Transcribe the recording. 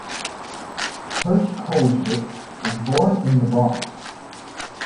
Hershkowitz was born in the Bronx.